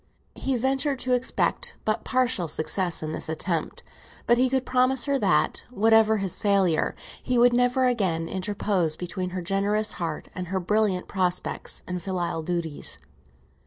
He ventured to expect but partial success in this attempt, but he could promise her that, whatever his failure, he would never again interpose between her generous heart and her brilliant prospects and filial duties.